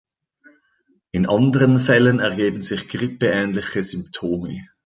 In anderen Fällen ergeben sich Grippe-ähnliche Symptome.